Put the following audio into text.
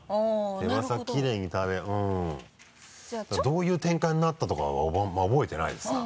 どういう展開になったとかは覚えてないですな。